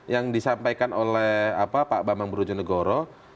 yang disampaikan oleh pak bambang brojonegoro